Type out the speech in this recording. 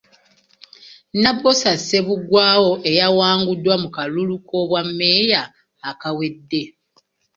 Nabbosa Ssebuggwawo eyawanguddwa mu kalulu k’obwammeeya akawedde.